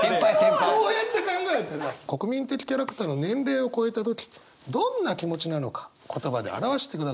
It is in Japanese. そうやって考えたら国民的キャラクターの年齢を超えた時どんな気持ちなのか言葉で表してください。